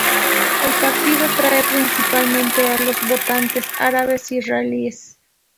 El partido atrae principalmente a los votantes árabes israelíes.